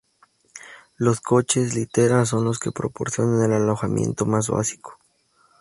Los coches-litera son los que proporcionan el alojamiento más básico.